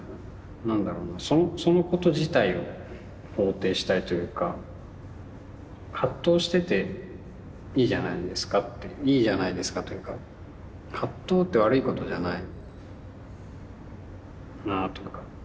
何だろうなそのこと自体を肯定したいというか葛藤してていいじゃないですかっていいじゃないですかというか葛藤って悪いことじゃないなぁとか。